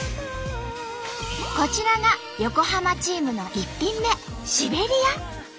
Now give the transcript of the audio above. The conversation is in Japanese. こちらが横浜チームの１品目「シベリア」。